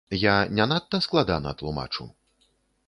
Я не надта складана тлумачу?